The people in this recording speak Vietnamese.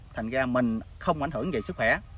thành ra mình không ảnh hưởng về sức khỏe